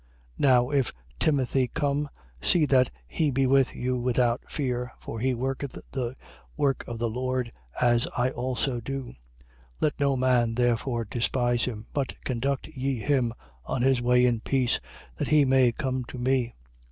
16:10. Now if Timothy come, see that he be with you without fear: for he worketh the work of the Lord, as I also do. 16:11. Let no man therefore despise him: but conduct ye him on his way in peace, that he may come to me.